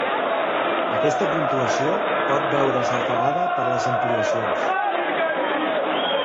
Aquesta puntuació pot veure's alterada per les ampliacions.